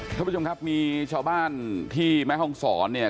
ท่านผู้ชมครับมีชาวบ้านที่แม่ห้องศรเนี่ย